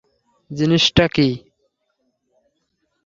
জিনিস টা কি?